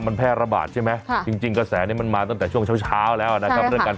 มันแพร่ระบาดใช่ไหมจริงกระแสนี้มันมาตั้งแต่ช่วงเช้าแล้วนะครับ